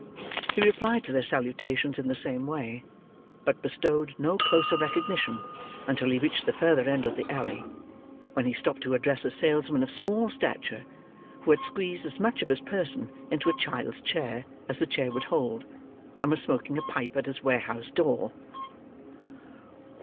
He replied to their salutations in the same way; but bestowed no closer recognition until he reached the further end of the alley; when he stopped, to address a salesman of small stature, who had squeezed as much of his person into a child's chair as the chair would hold, and was smoking a pipe at his warehouse door.